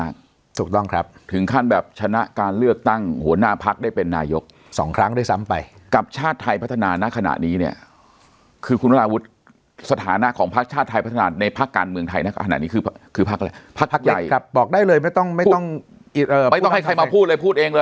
คือคุณบรรหาวุฒิสถานะของภักดิ์ชาติไทยพัฒนาในภักดิ์การเมืองไทยอันนี้คือภักดิ์อะไรภักดิ์เล็กครับบอกได้เลยไม่ต้องให้ใครมาพูดเลยพูดเองเลย